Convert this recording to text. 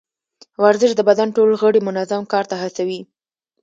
ورزش د بدن ټول غړي منظم کار ته هڅوي.